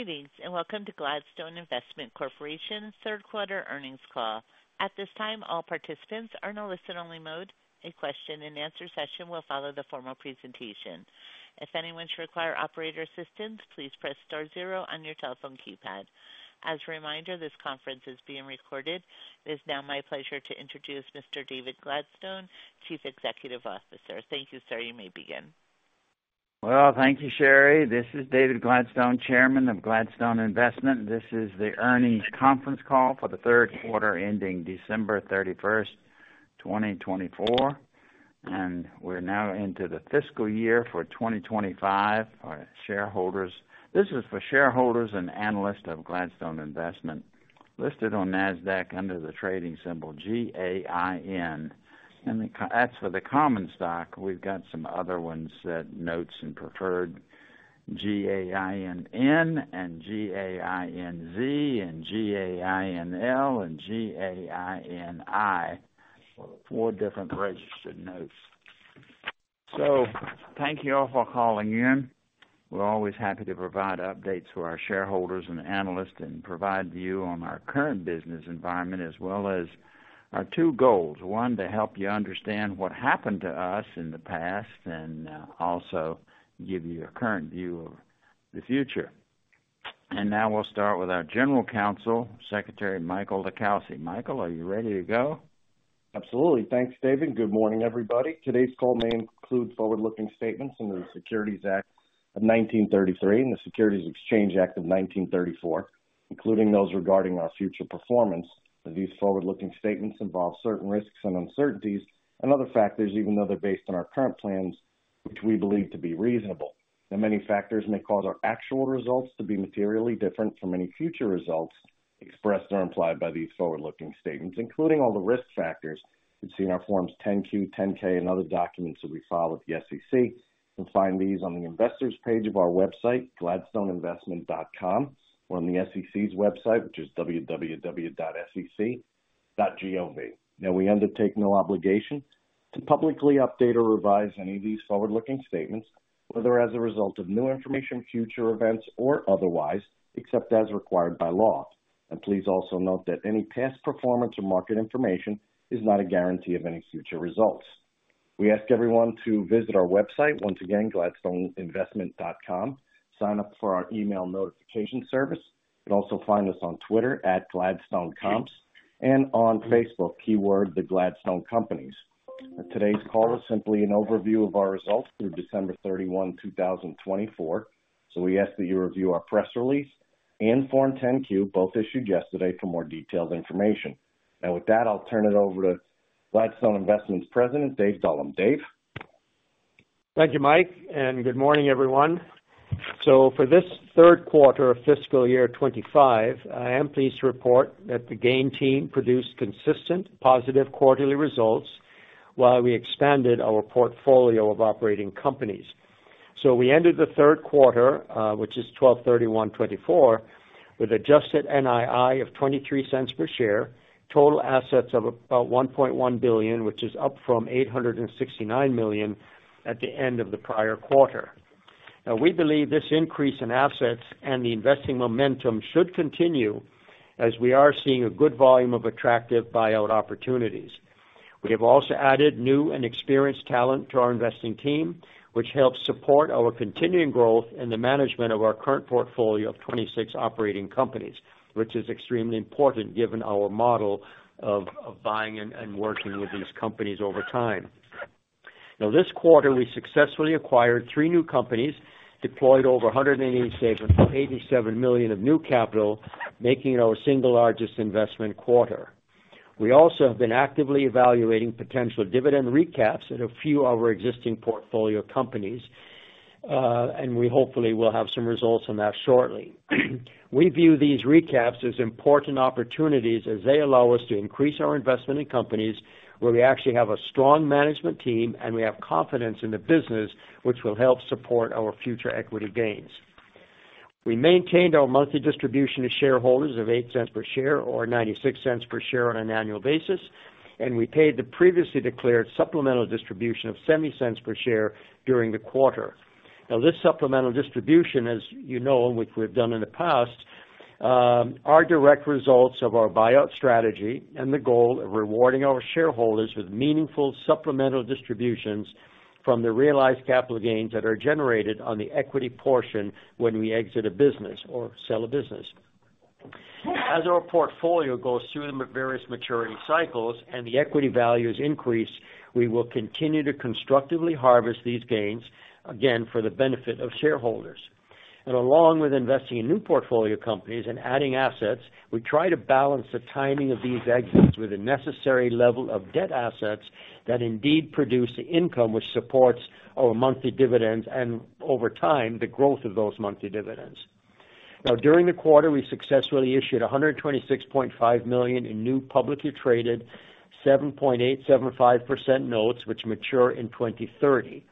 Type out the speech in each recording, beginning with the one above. Greetings and welcome to Gladstone Investment Corporation's third-quarter earnings call. At this time, all participants are in a listen-only mode. A question-and-answer session will follow the formal presentation. If anyone should require operator assistance, please press star zero on your telephone keypad. As a reminder, this conference is being recorded. It is now my pleasure to introduce Mr. David Gladstone, Chief Executive Officer. Thank you, sir. You may begin. Well, thank you, Sherry. This is David Gladstone, Chairman of Gladstone Investment. This is the earnings conference call for the third quarter ending December 31st, 2024. And we're now into the fiscal year for 2025. This is for shareholders and analysts of Gladstone Investment listed on NASDAQ under the trading symbol GAIN. And that's for the common stock. We've got some other ones that notes and preferred GAINN and GAINZ and GAINL and GAINI, four different registered notes. So thank you all for calling in. We're always happy to provide updates for our shareholders and analysts and provide view on our current business environment as well as our two goals: one, to help you understand what happened to us in the past and also give you a current view of the future. And now we'll start with our General Counsel, Secretary Michael LiCalsi. Michael, are you ready to go? Absolutely. Thanks, David. Good morning, everybody. Today's call may include forward-looking statements under the Securities Act of 1933 and the Securities Exchange Act of 1934, including those regarding our future performance. These forward-looking statements involve certain risks and uncertainties and other factors, even though they're based on our current plans, which we believe to be reasonable. Now, many factors may cause our actual results to be materially different from any future results expressed or implied by these forward-looking statements, including all the risk factors you'd see in our Forms 10-Q, 10-K, and other documents that we file with the SEC. You'll find these on the investors' page of our website, gladstoneinvestment.com, or on the SEC's website, which is www.sec.gov. Now, we undertake no obligation to publicly update or revise any of these forward-looking statements, whether as a result of new information, future events, or otherwise, except as required by law. Please also note that any past performance or market information is not a guarantee of any future results. We ask everyone to visit our website, once again, gladstoneinvestment.com, sign up for our email notification service. You can also find us on Twitter @gladstonecomps and on Facebook, keyword the Gladstone Companies. Today's call is simply an overview of our results through December 31, 2024. We ask that you review our press release and Form 10Q, both issued yesterday, for more detailed information. Now, with that, I'll turn it over to Gladstone Investment's President, Dave Dullum. Dave. Thank you, Mike, and good morning, everyone. So for this third quarter of fiscal year 2025, I am pleased to report that the GAIN team produced consistent positive quarterly results while we expanded our portfolio of operating companies. So we ended the third quarter, which is 12/31/2024, with adjusted NII of $0.23 per share, total assets of about $1.1 billion, which is up from $869 million at the end of the prior quarter. Now, we believe this increase in assets and the investing momentum should continue as we are seeing a good volume of attractive buyout opportunities. We have also added new and experienced talent to our investing team, which helps support our continuing growth in the management of our current portfolio of 26 operating companies, which is extremely important given our model of buying and working with these companies over time. Now, this quarter, we successfully acquired three new companies, deployed over $187 million of new capital, making it our single largest investment quarter. We also have been actively evaluating potential dividend recaps at a few of our existing portfolio companies, and we hopefully will have some results on that shortly. We view these recaps as important opportunities as they allow us to increase our investment in companies where we actually have a strong management team and we have confidence in the business, which will help support our future equity gains. We maintained our monthly distribution to shareholders of $0.08 per share or $0.96 per share on an annual basis, and we paid the previously declared supplemental distribution of $0.70 per share during the quarter. Now, this supplemental distribution, as you know, which we've done in the past, are direct results of our buyout strategy and the goal of rewarding our shareholders with meaningful supplemental distributions from the realized capital gains that are generated on the equity portion when we exit a business or sell a business. As our portfolio goes through the various maturity cycles and the equity values increase, we will continue to constructively harvest these gains, again, for the benefit of shareholders, and along with investing in new portfolio companies and adding assets, we try to balance the timing of these exits with the necessary level of debt assets that indeed produce the income which supports our monthly dividends and, over time, the growth of those monthly dividends. Now, during the quarter, we successfully issued $126.5 million in new publicly traded 7.875% notes, which mature in 2030.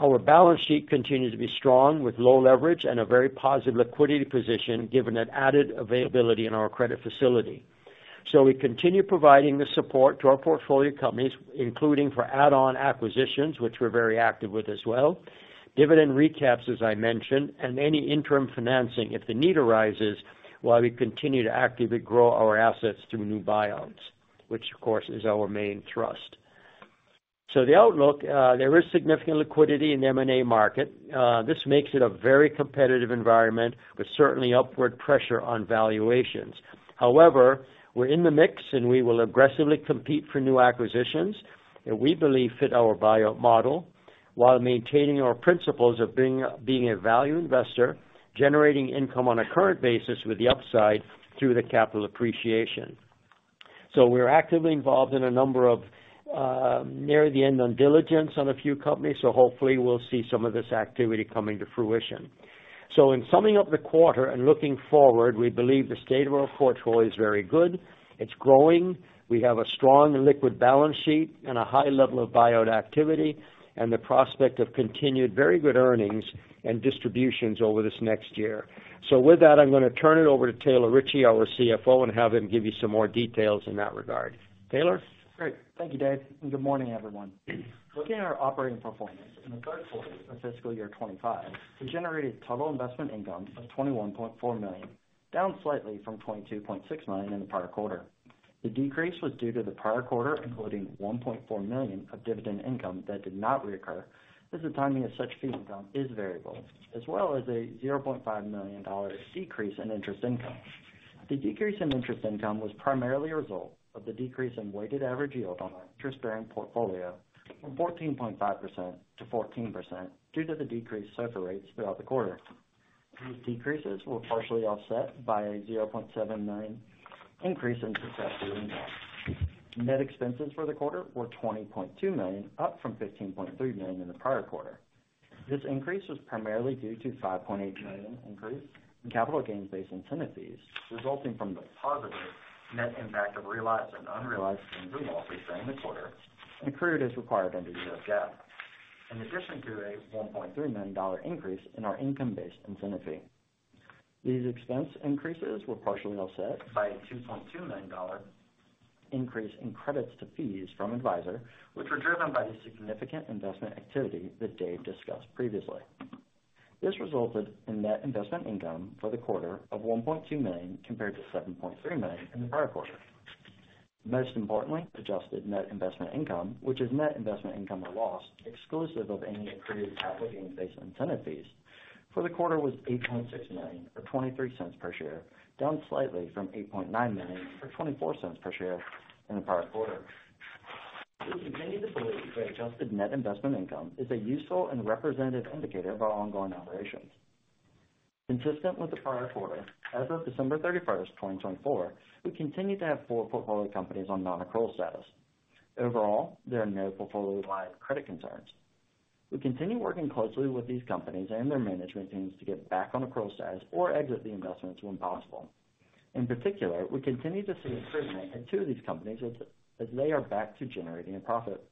Our balance sheet continues to be strong with low leverage and a very positive liquidity position given that added availability in our credit facility. So we continue providing the support to our portfolio companies, including for add-on acquisitions, which we're very active with as well, dividend recaps, as I mentioned, and any interim financing if the need arises while we continue to actively grow our assets through new buyouts, which, of course, is our main thrust. So the outlook, there is significant liquidity in the M&A market. This makes it a very competitive environment with certainly upward pressure on valuations. However, we're in the mix and we will aggressively compete for new acquisitions that we believe fit our buyout model while maintaining our principles of being a value investor, generating income on a current basis with the upside through the capital appreciation. So we're actively involved in a number of near-the-end on diligence on a few companies, so hopefully we'll see some of this activity coming to fruition. So in summing up the quarter and looking forward, we believe the state of our portfolio is very good. It's growing. We have a strong liquid balance sheet and a high level of buyout activity and the prospect of continued very good earnings and distributions over this next year. So with that, I'm going to turn it over to Taylor Ritchie, our CFO, and have him give you some more details in that regard. Taylor. Great. Thank you, Dave. And good morning, everyone. Looking at our operating performance in the third quarter of fiscal year 2025, we generated total investment income of $21.4 million, down slightly from $22.6 million in the prior quarter. The decrease was due to the prior quarter including $1.4 million of dividend income that did not reoccur as the timing of such fee income is variable, as well as a $0.5 million decrease in interest income. The decrease in interest income was primarily a result of the decrease in weighted average yield on our interest-bearing portfolio from 14.5% to 14% due to the decreased SOFR rates throughout the quarter. These decreases were partially offset by a $0.7 million increase in success fee income. Net expenses for the quarter were $20.2 million, up from $15.3 million in the prior quarter. This increase was primarily due to a $5.8 million increase in capital gains-based incentive fees, resulting from the positive net impact of realized and unrealized gains and losses during the quarter and accrued as required under GAAP, in addition to a $1.3 million increase in our income-based incentive fee. These expense increases were partially offset by a $2.2 million increase in credits to fees from Advisor, which were driven by the significant investment activity that Dave discussed previously. This resulted in net investment income for the quarter of $1.2 million compared to $7.3 million in the prior quarter. Most importantly, adjusted net investment income, which is net investment income or loss exclusive of any accrued capital gains-based incentive fees for the quarter, was $8.6 million or $0.23 per share, down slightly from $8.9 million or $0.24 per share in the prior quarter. We continue to believe that adjusted net investment income is a useful and representative indicator of our ongoing operations. Consistent with the prior quarter, as of December 31st, 2024, we continue to have four portfolio companies on non-accrual status. Overall, there are no portfolio-wide credit concerns. We continue working closely with these companies and their management teams to get back on accrual status or exit the investments when possible. In particular, we continue to see improvement at two of these companies as they are back to generating a profit.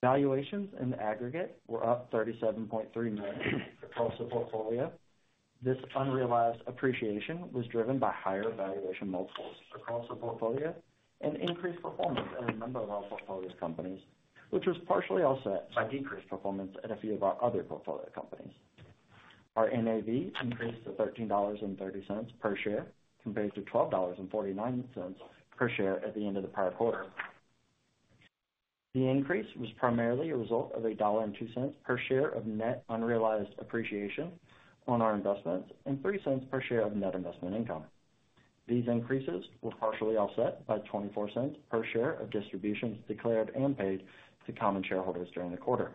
Valuations in the aggregate were up $37.3 million across the portfolio. This unrealized appreciation was driven by higher valuation multiples across the portfolio and increased performance in a number of our portfolio companies, which was partially offset by decreased performance at a few of our other portfolio companies. Our NAV increased to $13.30 per share compared to $12.49 per share at the end of the prior quarter. The increase was primarily a result of a $1.02 per share of net unrealized appreciation on our investments and $0.03 per share of net investment income. These increases were partially offset by $0.24 per share of distributions declared and paid to common shareholders during the quarter.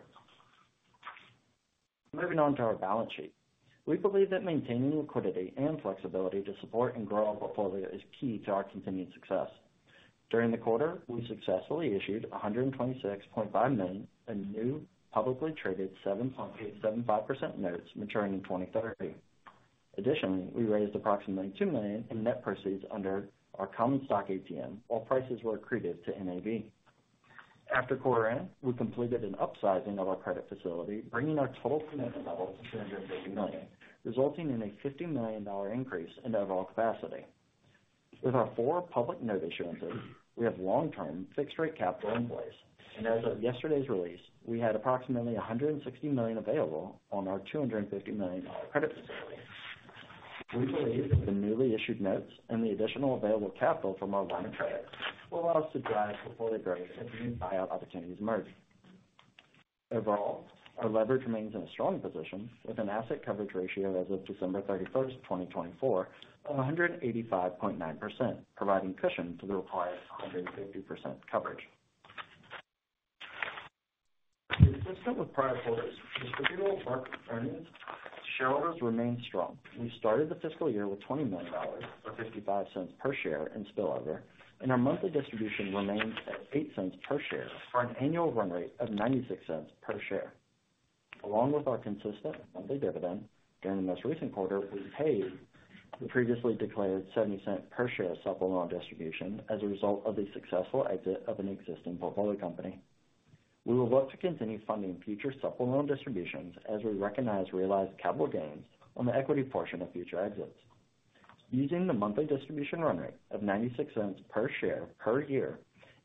Moving on to our balance sheet, we believe that maintaining liquidity and flexibility to support and grow our portfolio is key to our continued success. During the quarter, we successfully issued $126.5 million in new publicly traded 7.875% notes maturing in 2030. Additionally, we raised approximately $2 million in net proceeds under our common stock ATM while prices were accretive to NAV. After quarter end, we completed an upsizing of our credit facility, bringing our total facility level to $250 million, resulting in a $50 million increase in overall capacity. With our four public note issuances, we have long-term fixed-rate capital in place. As of yesterday's release, we had approximately $160 million available on our $250 million credit facility. We believe that the newly issued notes and the additional available capital from our line of credit will allow us to drive portfolio growth as new buyout opportunities emerge. Overall, our leverage remains in a strong position with an Asset Coverage Ratio as of December 31st, 2024, of 185.9%, providing cushion to the required 150% coverage. Consistent with prior quarters, Distributable Market Earnings for shareholders remained strong. We started the fiscal year with $20 million or $0.55 per share in spillover, and our monthly distribution remained at $0.08 per share for an annual run rate of $0.96 per share. Along with our consistent monthly dividend, during the most recent quarter, we paid the previously declared $0.70 per share supplemental distribution as a result of the successful exit of an existing portfolio company. We will look to continue funding future supplemental distributions as we recognize realized capital gains on the equity portion of future exits. Using the monthly distribution run rate of $0.96 per share per year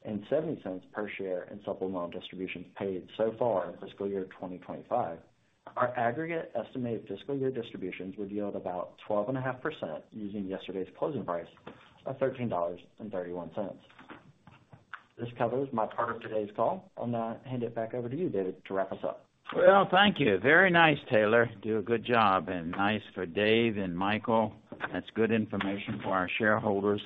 and $0.70 per share in supplemental distributions paid so far in fiscal year 2025, our aggregate estimated fiscal year distributions would yield about 12.5% using yesterday's closing price of $13.31. This covers my part of today's call. I'm going to hand it back over to you, David, to wrap us up. Thank you. Very nice, Taylor. Do a good job. Nice for Dave and Michael. That's good information for our shareholders.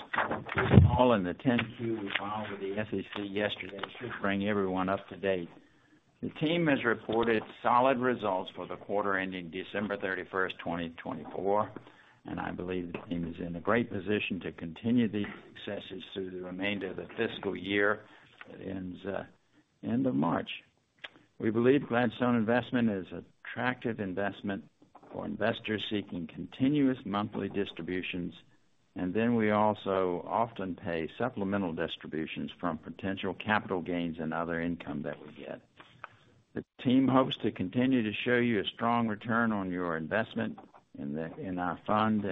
All in the 10-Q we filed with the SEC yesterday should bring everyone up to date. The team has reported solid results for the quarter ending December 31st, 2024, and I believe the team is in a great position to continue these successes through the remainder of the fiscal year that ends end of March. We believe Gladstone Investment is an attractive investment for investors seeking continuous monthly distributions, and then we also often pay supplemental distributions from potential capital gains and other income that we get. The team hopes to continue to show you a strong return on your investment in our fund.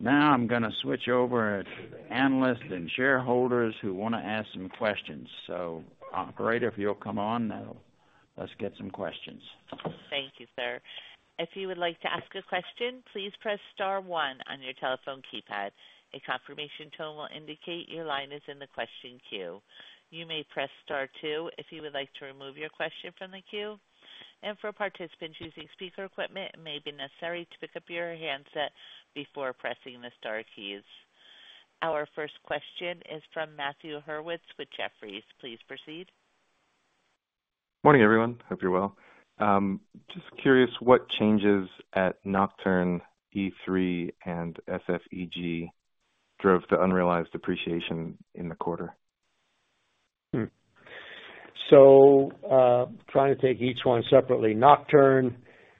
Now I'm going to switch over to the analysts and shareholders who want to ask some questions. So, Operator, if you'll come on, let's get some questions. Thank you, sir. If you would like to ask a question, please press star one on your telephone keypad. A confirmation tone will indicate your line is in the question queue. You may press star two if you would like to remove your question from the queue. And for participants using speaker equipment, it may be necessary to pick up your handset before pressing the star keys. Our first question is from Matthew Hurwit with Jefferies. Please proceed. Morning, everyone. Hope you're well. Just curious what changes at Nocturne, E3, and SFEG drove the unrealized depreciation in the quarter? So trying to take each one separately. Nocturne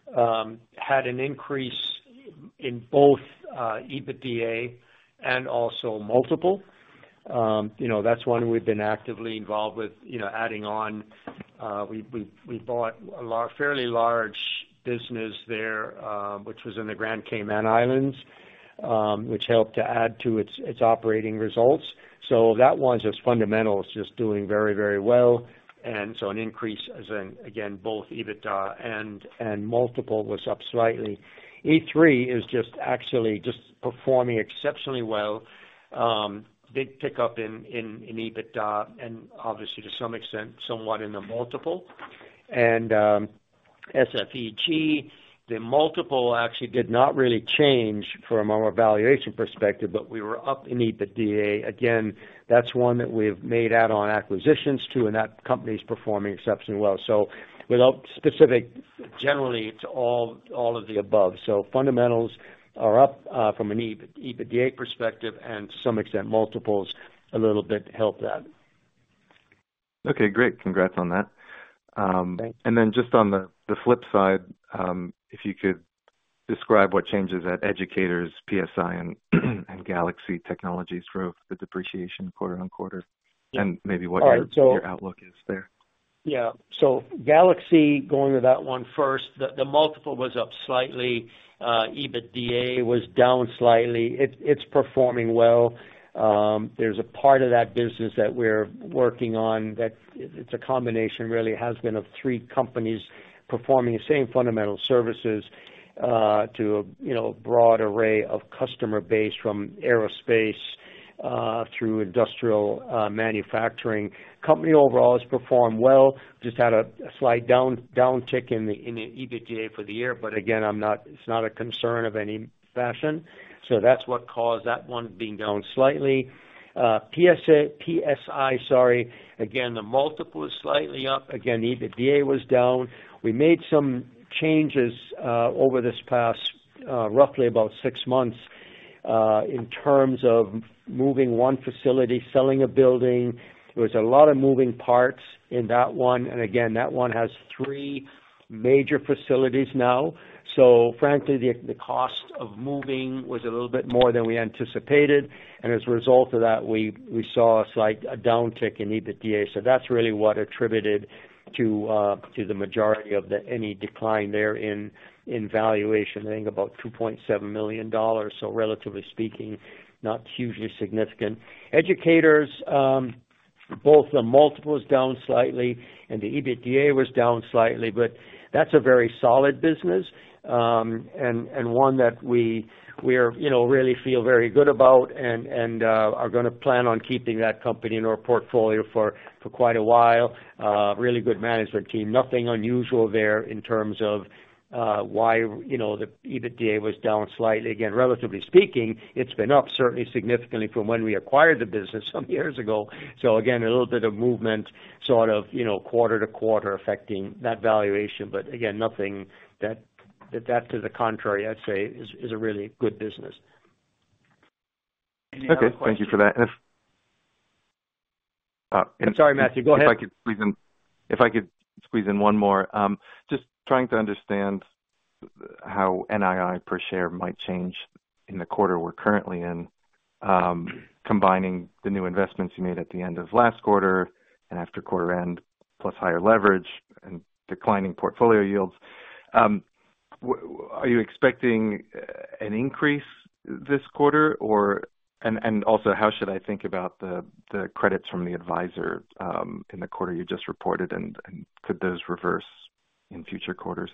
had an increase in both EBITDA and also multiple. That's one we've been actively involved with adding on. We bought a fairly large business there, which was in the Grand Cayman Islands, which helped to add to its operating results. So that one's just fundamentals just doing very, very well. And so an increase as in, again, both EBITDA and multiple was up slightly. E3 is just actually just performing exceptionally well. Big pickup in EBITDA and obviously, to some extent, somewhat in the multiple. And SFEG, the multiple actually did not really change from our valuation perspective, but we were up in EBITDA. Again, that's one that we've made add-on acquisitions to, and that company is performing exceptionally well. So without specific, generally, it's all of the above. So fundamentals are up from an EBITDA perspective, and to some extent, multiples a little bit help that. Okay, great. Congrats on that. Thanks. Just on the flip side, if you could describe what changes at Educators, PSI, and Galaxy Technologies drove the depreciation quarter on quarter, and maybe what your outlook is there? Yeah. So Galaxy, going to that one first, the multiple was up slightly. EBITDA was down slightly. It's performing well. There's a part of that business that we're working on that it's a combination, really, has been of three companies performing the same fundamental services to a broad array of customer base from aerospace through industrial manufacturing. Company overall has performed well. Just had a slight downtick in the EBITDA for the year, but again, it's not a concern of any fashion. So that's what caused that one being down slightly. PSI, sorry. Again, the multiple is slightly up. Again, EBITDA was down. We made some changes over this past roughly about six months in terms of moving one facility, selling a building. There was a lot of moving parts in that one. And again, that one has three major facilities now. So frankly, the cost of moving was a little bit more than we anticipated. And as a result of that, we saw a slight downtick in EBITDA. So that's really what attributed to the majority of any decline there in valuation. I think about $2.7 million. So relatively speaking, not hugely significant. Educators, both the multiple was down slightly, and the EBITDA was down slightly, but that's a very solid business and one that we really feel very good about and are going to plan on keeping that company in our portfolio for quite a while. Really good management team. Nothing unusual there in terms of why the EBITDA was down slightly. Again, relatively speaking, it's been up certainly significantly from when we acquired the business some years ago. So again, a little bit of movement sort of quarter to quarter affecting that valuation. But again, nothing that, to the contrary, I'd say is a really good business. Okay. Thank you for that. I'm sorry, Matthew. Go ahead. If I could squeeze in one more. Just trying to understand how NII per share might change in the quarter we're currently in, combining the new investments you made at the end of last quarter and after quarter end, plus higher leverage and declining portfolio yields. Are you expecting an increase this quarter? And also, how should I think about the credits from the advisor in the quarter you just reported, and could those reverse in future quarters?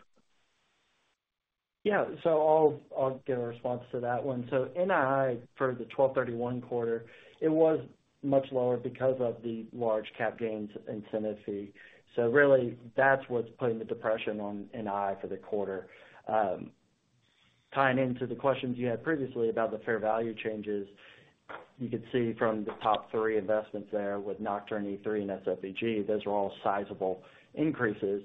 Yeah. So I'll give a response to that one. So NII for the 12/31 quarter, it was much lower because of the large cap gains incentive fee. So really, that's what's putting the depression on NII for the quarter. Tying into the questions you had previously about the fair value changes, you could see from the top three investments there with Nocturne, E3, and SFEG, those were all sizable increases.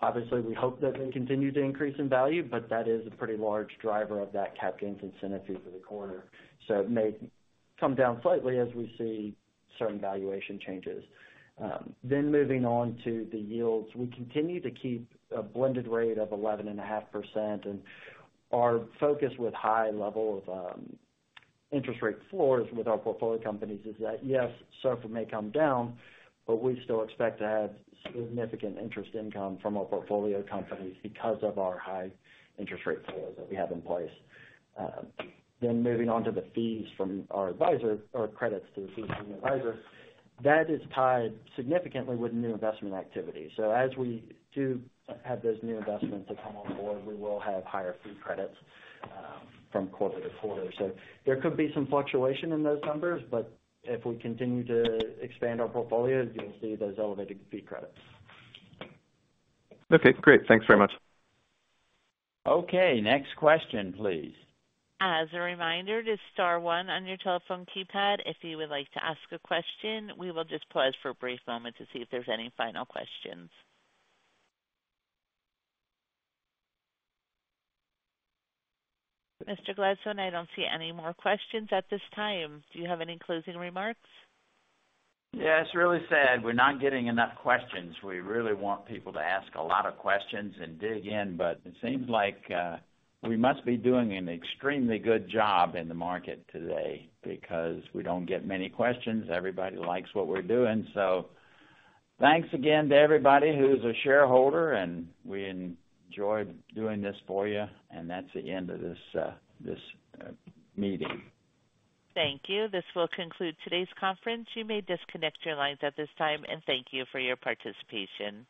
Obviously, we hope that they continue to increase in value, but that is a pretty large driver of that cap gains incentive fee for the quarter. So it may come down slightly as we see certain valuation changes. Then moving on to the yields, we continue to keep a blended rate of 11.5%. Our focus with high level of interest rate floors with our portfolio companies is that, yes, SOFR may come down, but we still expect to have significant interest income from our portfolio companies because of our high interest rate floors that we have in place. Moving on to the fees from our advisor or credits to the fees from the advisor, that is tied significantly with new investment activity. As we do have those new investments that come on board, we will have higher fee credits from quarter to quarter. There could be some fluctuation in those numbers, but if we continue to expand our portfolio, you'll see those elevated fee credits. Okay. Great. Thanks very much. Okay. Next question, please. As a reminder, this is star one on your telephone keypad. If you would like to ask a question, we will just pause for a brief moment to see if there's any final questions. Mr. Gladstone, I don't see any more questions at this time. Do you have any closing remarks? Yeah. It's really sad. We're not getting enough questions. We really want people to ask a lot of questions and dig in, but it seems like we must be doing an extremely good job in the market today because we don't get many questions. Everybody likes what we're doing. So thanks again to everybody who's a shareholder, and we enjoyed doing this for you. And that's the end of this meeting. Thank you. This will conclude today's conference. You may disconnect your lines at this time, and thank you for your participation.